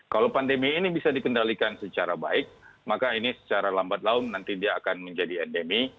kalau pandemi ini bisa dikendalikan secara baik maka ini secara lambat laun nanti dia akan menjadi endemi